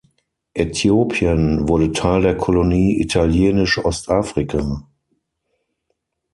Äthiopien wurde Teil der Kolonie Italienisch-Ostafrika.